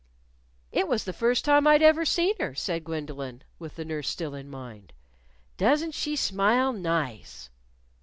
"It was the first time I'd ever seen her," said Gwendolyn, with the nurse still in mind. "Doesn't she smile nice!"